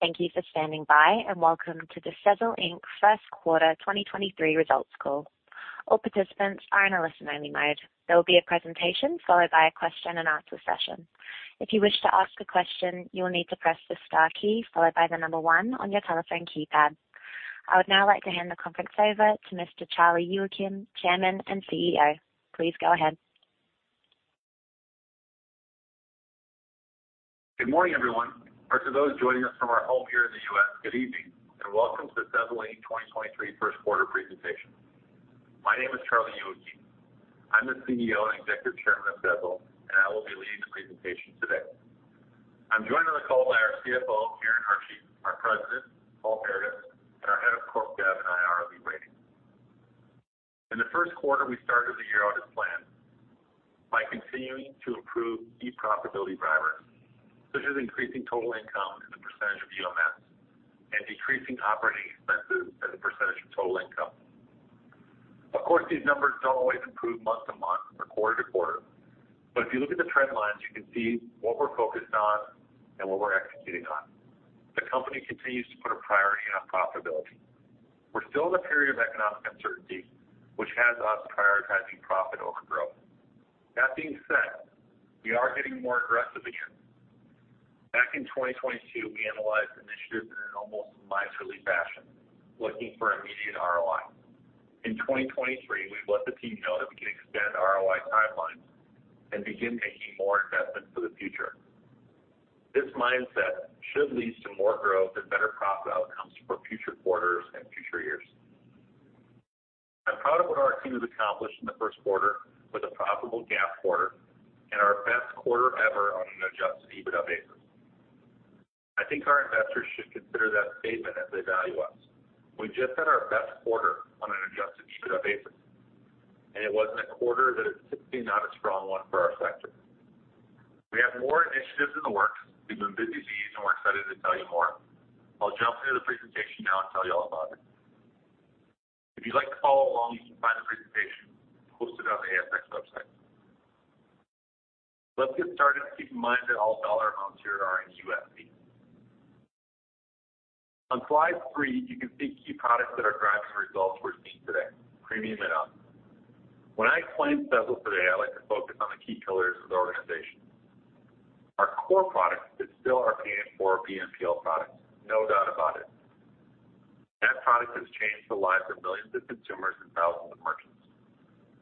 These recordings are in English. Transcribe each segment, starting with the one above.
Thank you for standing by. Welcome to the Sezzle Inc. first quarter 2023 results call. All participants are in a listen-only mode. There will be a presentation followed by a question and answer session. If you wish to ask a question, you will need to press the star key followed by 1 on your telephone keypad. I would now like to hand the conference over to Mr. Charlie Youakim, Chairman and CEO. Please go ahead. Good morning, everyone, or to those joining us from our home here in the U.S., good evening, and welcome to Sezzle Inc. 2023 first quarter presentation. My name is Charlie Youakim. I'm the CEO and Executive Chairman of Sezzle, and I will be leading the presentation today. I'm joined on the call by our CFO, Karen Hartje, our President, Paul Paradis, and our Head of Corp Dev and IR, Lee Brading. In the first quarter, we started the year out as planned by continuing to improve key profitability drivers, such as increasing total income as a % of UMS and decreasing operating expenses as a % of total income. Of course, these numbers don't always improve month to month or quarter to quarter. If you look at the trend lines, you can see what we're focused on and what we're executing on. The company continues to put a priority on profitability. We're still in a period of economic uncertainty, which has us prioritizing profit over growth. That being said, we are getting more aggressive again. Back in 2022, we analyzed initiatives in an almost miserly fashion, looking for immediate ROI. In 2023, we've let the team know that we can extend ROI timelines and begin making more investments for the future. This mindset should lead to more growth and better profit outcomes for future quarters and future years. I'm proud of what our team has accomplished in the first quarter with a profitable GAAP quarter and our best quarter ever on an Adjusted EBITDA basis. I think our investors should consider that statement as they value us. We just had our best quarter on an Adjusted EBITDA basis. It wasn't a quarter that is typically not a strong one for our sector. We have more initiatives in the works. We've been busy bees. We're excited to tell you more. I'll jump into the presentation now and tell you all about it. If you'd like to follow along, you can find the presentation posted on the ASX website. Let's get started. Keep in mind that all dollar amounts here are in USD. On slide three, you can see key products that are driving results we're seeing today, Premium and Up. When I explain Sezzle today, I like to focus on the key pillars of the organization. Our core product is still our PM4 BNPL product, no doubt about it. That product has changed the lives of millions of consumers and thousands of merchants.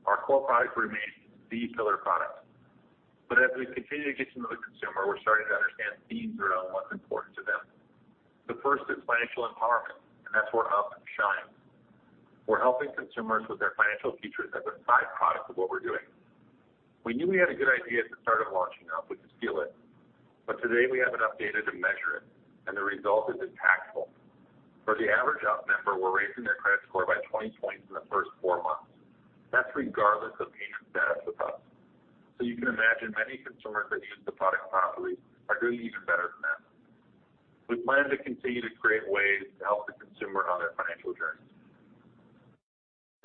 Our core product remains the pillar product. As we continue to get to know the consumer, we're starting to understand themes around what's important to them. The first is financial empowerment, and that's where Up shines. We're helping consumers with their financial futures as a side product of what we're doing. We knew we had a good idea at the start of launching Up, we could feel it. Today we have enough data to measure it, and the result has been impactful. For the average Up member, we're raising their credit score by 20 points in the first 4 months. That's regardless of payment status with us. You can imagine many consumers that use the product properly are doing even better than that. We plan to continue to create ways to help the consumer on their financial journey.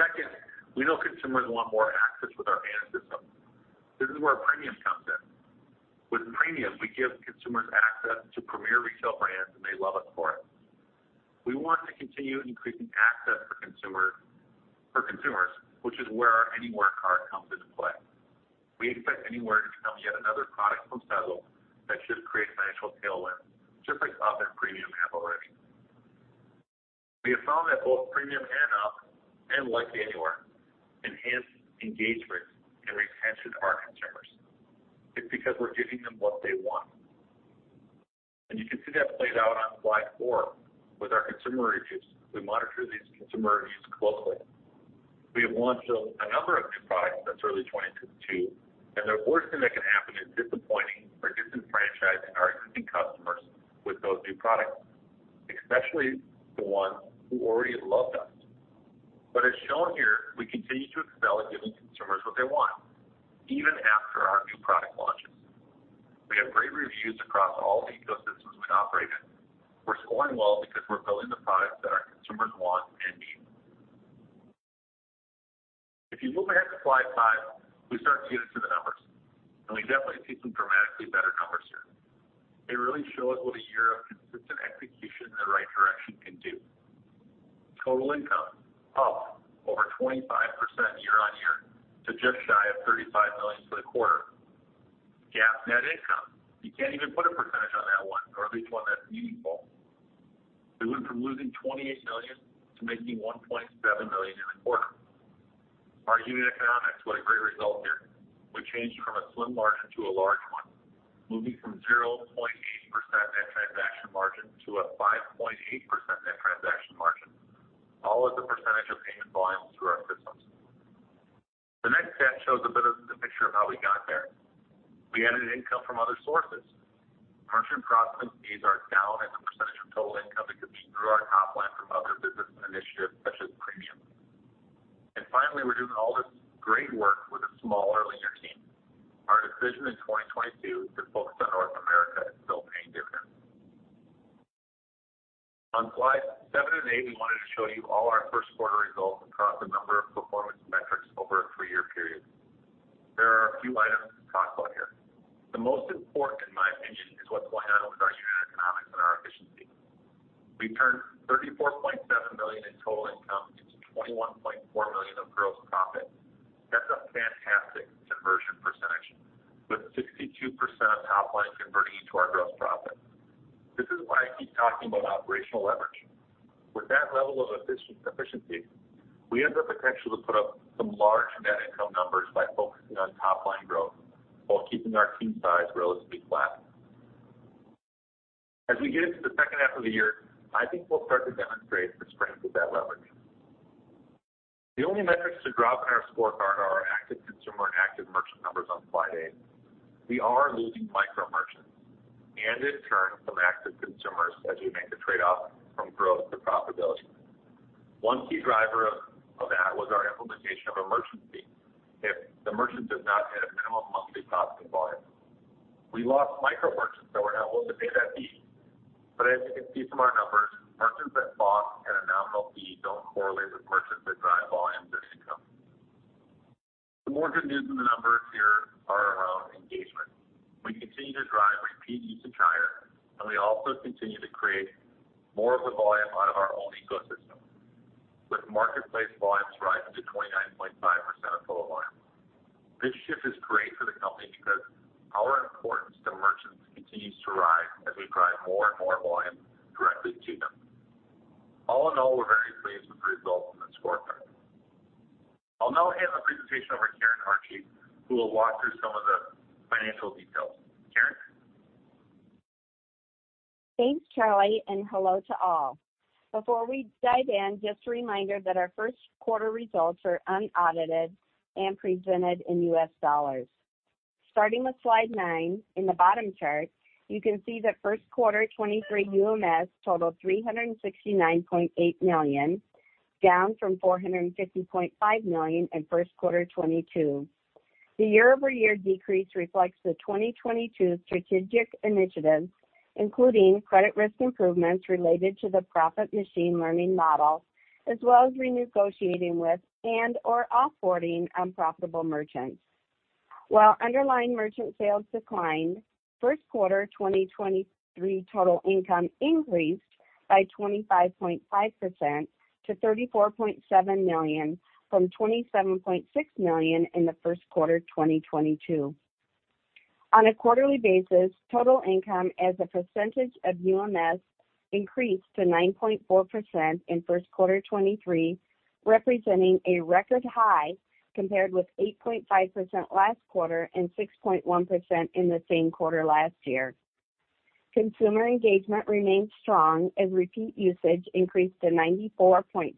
Second, we know consumers want more access with our BN system. This is where Premium comes in. With Premium, we give consumers access to premier retail brands. They love us for it. We want to continue increasing access for consumers, which is where our Anywhere card comes into play. We expect Anywhere to become yet another product from Sezzle that should create financial tailwind, just like Up and Premium have already. We have found that both Premium and Up, and likely Anywhere, enhance engagement and retention of our consumers. It's because we're giving them what they want. You can see that played out on slide 4 with our consumer reviews. We monitor these consumer reviews closely. We have launched a number of new products since early 2022. The worst thing that can happen is disappointing or disenfranchising our existing customers with those new products, especially the ones who already loved us. As shown here, we continue to excel at giving consumers what they want, even after our new product launches. We have great reviews across all the ecosystems we operate in. We're scoring well because we're building the products that our consumers want and need. You move ahead to slide 5, we start getting to the numbers. We definitely see some dramatically better numbers here. They really show us what a year of consistent execution in the right direction can do. Total income up over 25% year-on-year to just shy of $35 million for the quarter. GAAP net income. You can't even put a percentage on that one, or at least one that's meaningful. We went from losing $28 million to making $1.7 million in a quarter. Our unit economics, what a great result here. We changed from a slim margin to a large one, moving from 0.8% net transaction margin to a 5.8% net transaction margin, all as a % of payment volume through our systems. The next step shows a bit of the picture of how we got there. We added income from other sources. Merchant processing fees are down as a % of total income because we grew our top line from other business initiatives such as Premium. Finally, we're doing all this great work with a smaller linear team. Our decision in 2022 to focus on North America is still paying dividends. On slide 7 and 8, we wanted to show you all our first quarter results across a number of performance metrics over a three-year period. There are a few items to talk about here. The most important, in my opinion, is what's going on with our unit economics and our efficiency. We turned $34.7 million in total income into $21.4 million of gross profit. That's a fantastic conversion percentage with 62% of top line converting into our gross profit. This is why I keep talking about operational leverage. With that level of efficiency, we have the potential to put up some large net income numbers by focusing on top line growth while keeping our team size relatively flat. As we get into the second half of the year, I think we'll start to demonstrate the strength of that leverage. The only metrics to drop in our scorecard are our active consumer and active merchant numbers on slide 8. We are losing micro merchants and in turn, some active consumers, as we make the trade-off from growth to profitability. One key driver of that was our implementation of a merchant fee. If the merchant does not hit a minimum monthly processing volume, we lost micro merchants that were not able to pay that fee. As you can see from our numbers, merchants that boss at a nominal fee don't correlate with merchants that drive volumes as income. The more good news in the numbers here are around engagement. We continue to drive repeat usage higher, and we also continue to create more of the volume out of our own ecosystem. With marketplace volumes rising to 29.5% of total volume. This shift is great for the company because our importance to merchants continues to rise as we drive more and more volume directly to them. All in all, we're very pleased with the results on this scorecard. I'll now hand the presentation over to Karen Hartje, who will walk through some of the financial details. Karen. Thanks, Charlie, and hello to all. Before we dive in, just a reminder that our first quarter results are unaudited and presented in US dollars. Starting with slide 9, in the bottom chart, you can see that first quarter 2023 UMS totaled $369.8 million, down from $450.5 million in first quarter 2022. The year-over-year decrease reflects the 2022 strategic initiatives, including credit risk improvements related to the Prophet machine learning model, as well as renegotiating with and/or off-boarding unprofitable merchants. While Underlying Merchant Sales declined, first quarter 2023 total income increased by 25.5% to $34.7 million from $27.6 million in the first quarter 2022. On a quarterly basis, total income as a percentage of UMS increased to 9.4% in first quarter 2023, representing a record high compared with 8.5% last quarter and 6.1% in the same quarter last year. Consumer engagement remained strong as repeat usage increased to 94.4%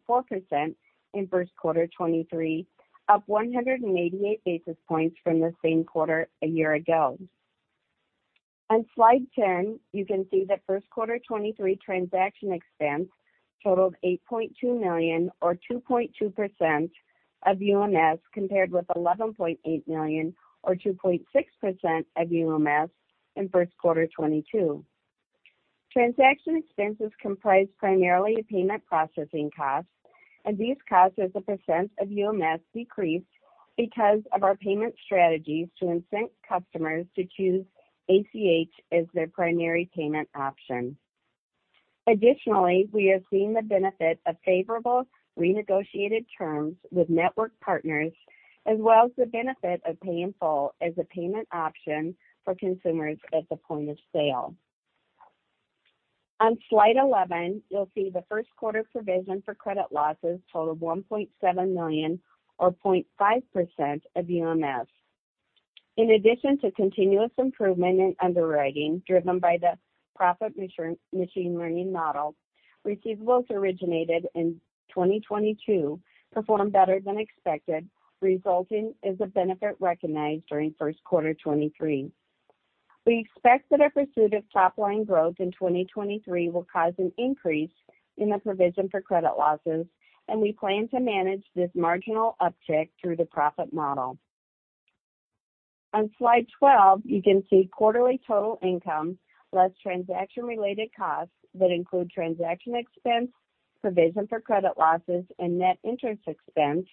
in first quarter 2023, up 188 basis points from the same quarter a year ago. On slide 10, you can see that first quarter 2023 transaction expense totaled $8.2 million or 2.2% of UMS, compared with $11.8 million or 2.6% of UMS in first quarter 2022. Transaction expenses comprised primarily of payment processing costs, and these costs as a % of UMS decreased because of our payment strategies to incent customers to choose ACH as their primary payment option. Additionally, we are seeing the benefit of favorable renegotiated terms with network partners as well as the benefit of Pay in Full as a payment option for consumers at the point of sale. On slide 11, you'll see the first quarter provision for credit losses totaled $1.7 million or 0.5% of UMS. In addition to continuous improvement in underwriting driven by the Prophet machine learning model, receivables originated in 2022 performed better than expected, resulting as a benefit recognized during first quarter 2023. We expect that our pursuit of top line growth in 2023 will cause an increase in the provision for credit losses. We plan to manage this marginal uptick through the Prophet model. On slide 12, you can see quarterly total income plus transaction-related costs that include transaction expense, provision for credit losses, and net interest expense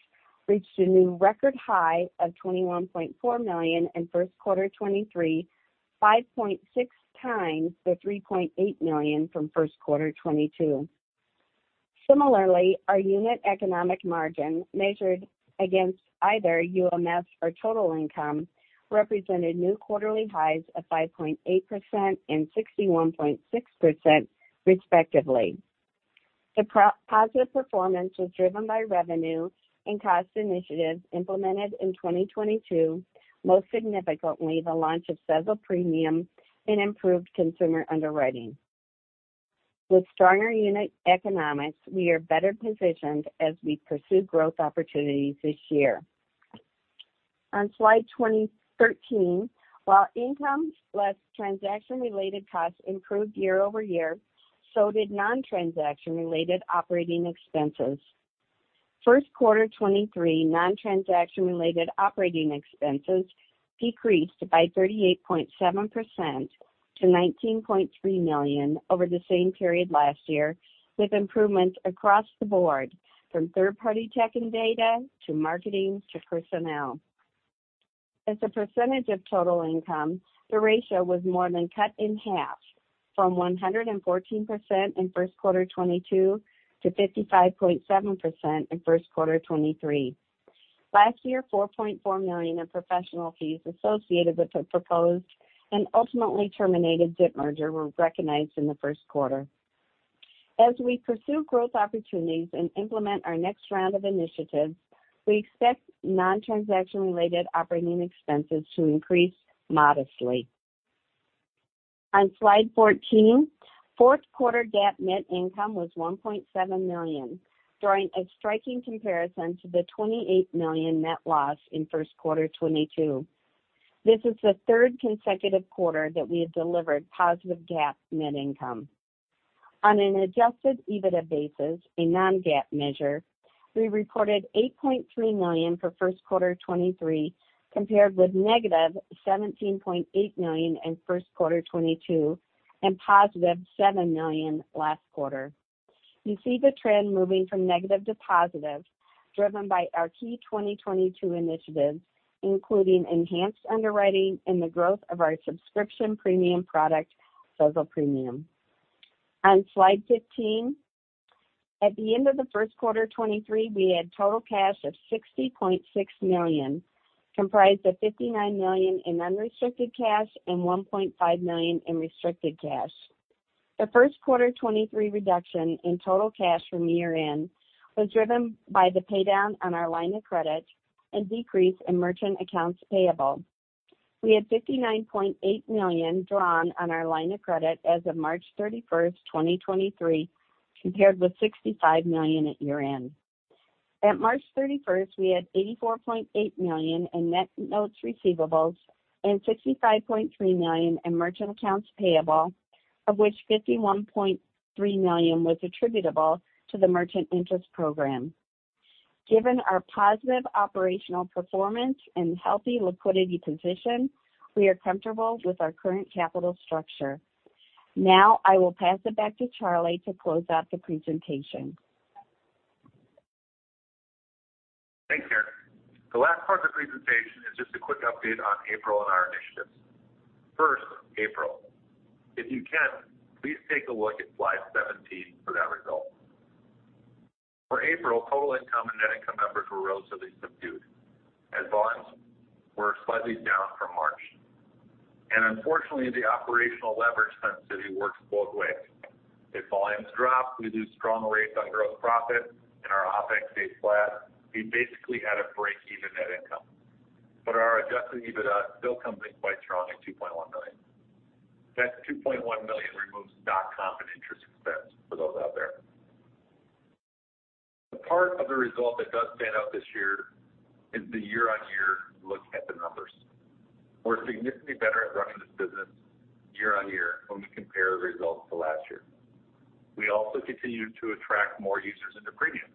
reached a new record high of $21.4 million in first quarter 2023, 5.6 times the $3.8 million from first quarter 2022. Similarly, our unit economic margin, measured against either UMS or total income, represented new quarterly highs of 5.8% and 61.6% respectively. The pro-positive performance was driven by revenue and cost initiatives implemented in 2022, most significantly the launch of Sezzle Premium and improved consumer underwriting. With stronger unit economics, we are better positioned as we pursue growth opportunities this year. On slide 2013, while income less transaction-related costs improved year-over-year, so did non-transaction-related operating expenses. First quarter 2023 non-transaction-related operating expenses decreased by 38.7% to $19.3 million over the same period last year, with improvements across the board from third-party tech and data to marketing to personnel. As a percentage of total income, the ratio was more than cut in half from 114% in First quarter 2022 to 55.7% in First quarter 2023. Last year, $4.4 million in professional fees associated with the proposed and ultimately terminated Zip merger were recognized in the First quarter. As we pursue growth opportunities and implement our next round of initiatives, we expect non-transaction-related operating expenses to increase modestly. On slide 14, fourth quarter GAAP net income was $1.7 million, drawing a striking comparison to the $28 million net loss in first quarter 2022. This is the third consecutive quarter that we have delivered positive GAAP net income. On an Adjusted EBITDA basis, a non-GAAP measure, we reported $8.3 million for first quarter 2023, compared with negative $17.8 million in first quarter 2022 and positive $7 million last quarter. You see the trend moving from negative to positive, driven by our key 2022 initiatives, including enhanced underwriting and the growth of our subscription premium product, Sezzle Premium. On slide 15, at the end of the first quarter 2023, we had total cash of $60.6 million, comprised of $59 million in unrestricted cash and $1.5 million in restricted cash. The first quarter 2023 reduction in total cash from year-end was driven by the pay down on our line of credit and decrease in merchant accounts payable. We had $59.8 million drawn on our line of credit as of March thirty-first, 2023, compared with $65 million at year-end. At March thirty-first, we had $84.8 million in net notes receivables and $65.3 million in merchant accounts payable, of which $51.3 million was attributable to the merchant interest program. Given our positive operational performance and healthy liquidity position, we are comfortable with our current capital structure. Now, I will pass it back to Charlie to close out the presentation. Thanks, Karen. The last part of the presentation is just a quick update on April and our initiatives. First, April. If you can, please take a look at slide 17 for that result. For April, total income and net income numbers were relatively subdued as volumes were slightly down from March. Unfortunately, the operational leverage sensitivity works both ways. If volumes drop, we lose strong rates on gross profit and our OpEx stays flat, we basically had a break-even net income. Our Adjusted EBITDA still comes in quite strong at $2.1 million. That $2.1 million removes dot-com and interest expense for those out there. The part of the result that does stand out this year is the year-on-year look at the numbers. We're significantly better at running this business year-on-year when we compare results to last year. We also continue to attract more users into Premium,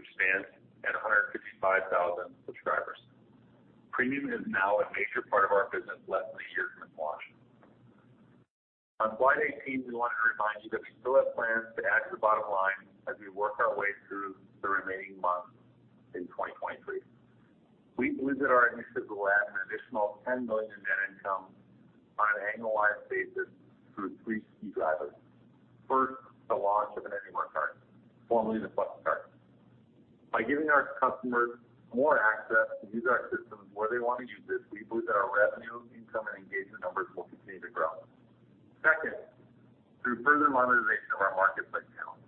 which stands at 155,000 subscribers. Premium is now a major part of our business less than a year from its launch. On slide 18, we wanted to remind you that we still have plans to add to the bottom line as we work our way through the remaining months in 2023. We believe that our initiatives will add an additional $10 million in net income on an annualized basis through three key drivers. First, the launch of an Anywhere card, formerly the Flex Card. By giving our customers more access to use our systems where they want to use this, we believe that our revenue, income and engagement numbers will continue to grow. Second, through further monetization of our marketplace channel.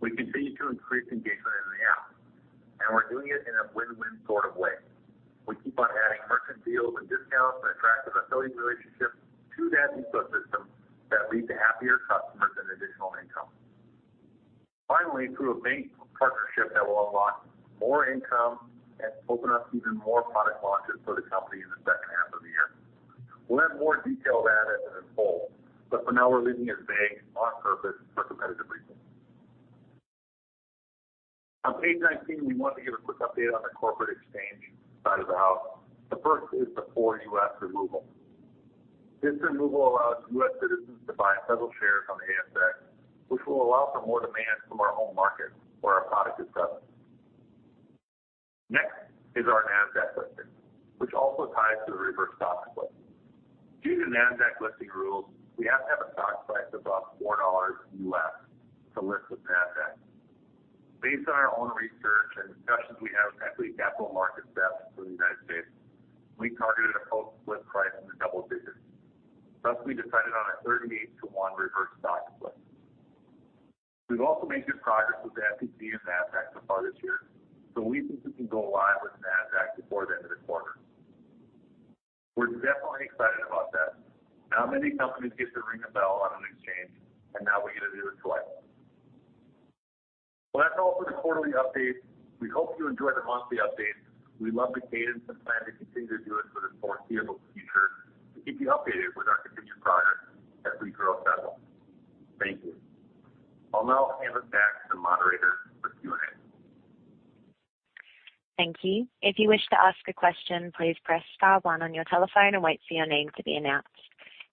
We continue to increase engagement in the app, and we're doing it in a win-win sort of way. We keep on adding merchant deals and discounts and attractive affiliate relationships to that ecosystem that lead to happier customers and additional income. Through a bank partnership that will unlock more income and open up even more product launches for the company in the second half of the year. We'll have more detail about it in its whole, but for now we're leaving it vague on purpose for competitive reasons. On page 19, we want to give a quick update on the corporate exchange side of the house. The first is the Foreign Ownership Restriction removal. This removal allows U.S. citizens to buy Sezzle shares on the ASX, which will allow for more demand from our home market where our product is best. Next is our NASDAQ listing, which also ties to the reverse stock split. Due to NASDAQ listing rules, we have to have a stock price above $4 U.S. to list with NASDAQ. Based on our own research and discussions we have with equity capital market staff for the United States, we targeted a post-split price in the double digits. Thus, we decided on a 38-to-1 reverse stock split. We've also made good progress with the SEC and NASDAQ so far this year, so we think we can go live with NASDAQ before the end of the quarter. We're definitely excited about that. Not many companies get to ring a bell on an exchange, and now we get to do it twice. Well, that's all for the quarterly update. We hope you enjoy the monthly updates. We love the cadence and plan to continue to do it for the foreseeable future to keep you updated with our progress. Thank you. I'll now hand it back to the moderator for Q&A. Thank you. If you wish to ask a question, please press star one on your telephone and wait for your name to be announced.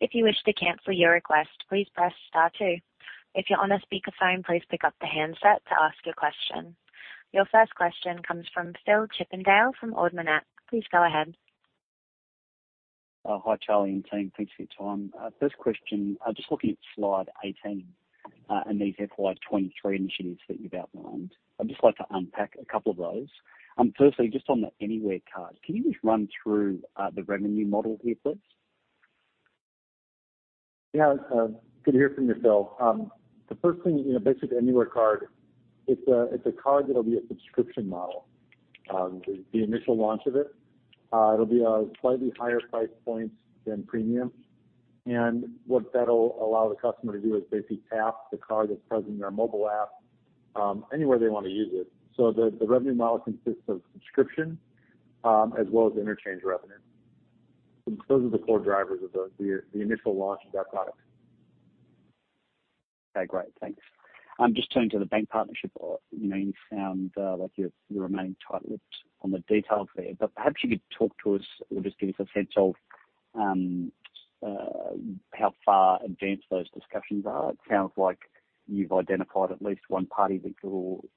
If you wish to cancel your request, please press star two. If you're on a speakerphone, please pick up the handset to ask your question. Your first question comes from Philip Chippendale from Ord Minnett. Please go ahead. Hi, Charlie and team. Thanks for your time. First question. Just looking at slide 18, and these FY23 initiatives that you've outlined. I'd just like to unpack a couple of those. Firstly, just on the Anywhere card, can you just run through the revenue model here, please? Yeah, good to hear from you, Phil. The first thing, you know, basically the Anywhere card, it's a card that'll be a subscription model. The initial launch of it'll be a slightly higher price point than Premium. What that'll allow the customer to do is basically tap the card that's present in their mobile app, anywhere they wanna use it. The revenue model consists of subscription, as well as interchange revenue. Those are the core drivers of the initial launch of that product. Okay, great. Thanks. Just turning to the bank partnership. You know, you've sound like you're remaining tight-lipped on the details there. Perhaps you could talk to us or just give us a sense of how far advanced those discussions are. It sounds like you've identified at least one party that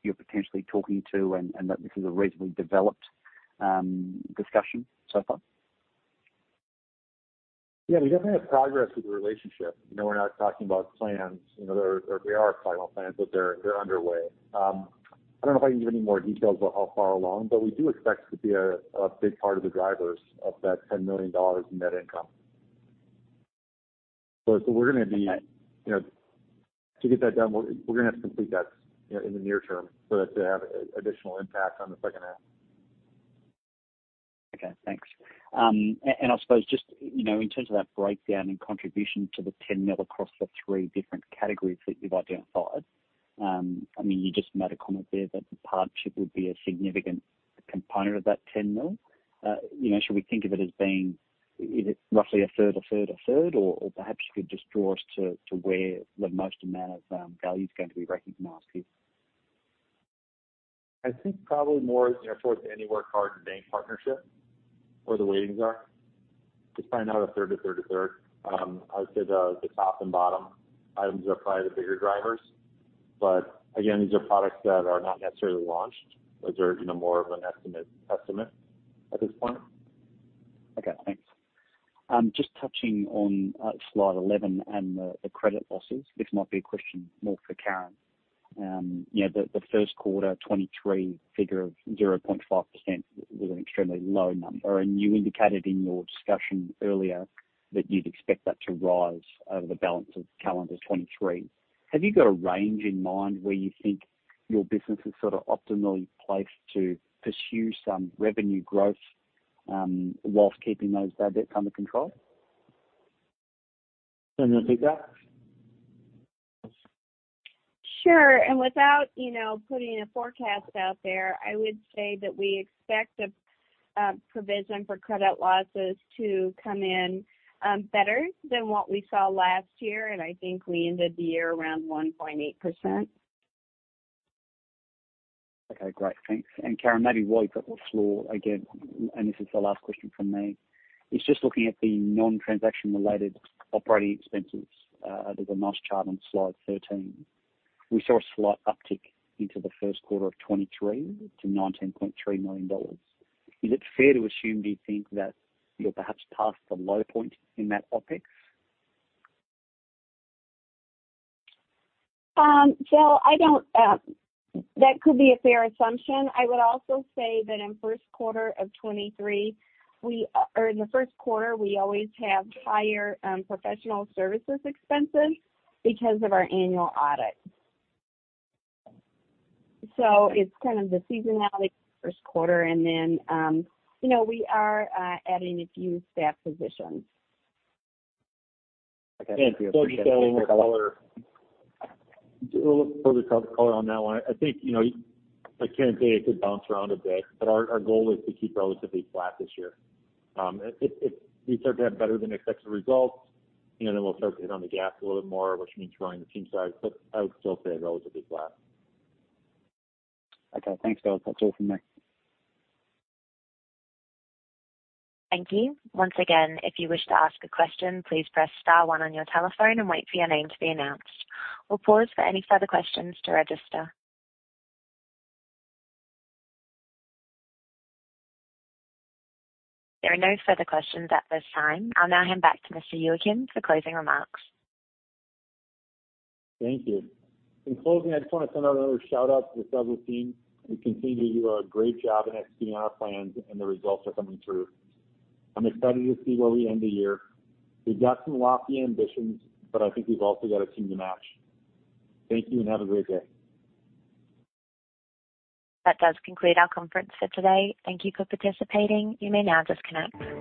you're potentially talking to and that this is a reasonably developed discussion so far. We definitely have progress with the relationship. You know, we're not talking about plans, you know, or they are final plans, but they're underway. I don't know if I can give any more details about how far along, but we do expect it to be a big part of the drivers of that $10 million in net income. We're gonna be, you know, to get that done, we're gonna have to complete that, you know, in the near term for that to have additional impact on the second half. Okay, thanks. I suppose just, you know, in terms of that breakdown in contribution to the $10 million across the three different categories that you've identified, I mean, you just made a comment there that the partnership would be a significant component of that $10 million. You know, should we think of it as being, is it roughly a third, a third, a third? Or perhaps you could just draw us to where the most amount of value is going to be recognized here. I think probably more, you know, towards the Anywhere card and bank partnership, where the weightings are. It's probably not a third, a third, a third. I would say the top and bottom items are probably the bigger drivers. Again, these are products that are not necessarily launched. Those are, you know, more of an estimate at this point. Okay, thanks. Just touching on slide 11 and the credit losses. This might be a question more for Karen. You know, the first quarter 2023 figure of 0.5% was an extremely low number, and you indicated in your discussion earlier that you'd expect that to rise over the balance of calendar 2023. Have you got a range in mind where you think your business is sort of optimally placed to pursue some revenue growth, whilst keeping those bad debts under control? Do you want to take that? Sure. Without, you know, putting a forecast out there, I would say that we expect a provision for credit losses to come in better than what we saw last year. I think we ended the year around 1.8%. Okay, great. Thanks. Karen, maybe while you've got the floor again, this is the last question from me. It's just looking at the non-transaction related operating expenses. There's a nice chart on slide 13. We saw a slight uptick into the first quarter of 2023 to $19.3 million. Is it fair to assume, do you think, that you're perhaps past the low point in that OpEx? Phil, I don't. That could be a fair assumption. I would also say that in first quarter of 23, we, or in the first quarter, we always have higher professional services expenses because of our annual audit. It's kind of the seasonality first quarter and then, you know, we are adding a few staff positions. Okay. A little further color on that one. I think, you know, like Karen said, it could bounce around a bit, but our goal is to keep relatively flat this year. If we start to have better than expected results, you know, then we'll start to hit on the gas a little bit more, which means growing the team side, but I would still say relatively flat. Okay. Thanks. That's all for me. Thank you. Once again, if you wish to ask a question, please press star 1 on your telephone and wait for your name to be announced. We'll pause for any further questions to register. There are no further questions at this time. I'll now hand back to Mr. Youakim for closing remarks. Thank you. In closing, I just wanna send out another shout-out to the Double team. We continue to do a great job in executing on our plans, and the results are coming through. I'm excited to see where we end the year. We've got some lofty ambitions, but I think we've also got a team to match. Thank you, and have a great day. That does conclude our conference for today. Thank you for participating. You may now disconnect.